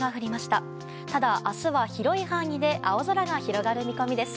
ただ明日は、広い範囲で青空が広がる見込みです。